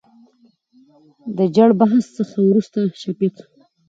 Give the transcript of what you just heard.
دجړبحث څخه ورورسته شفيق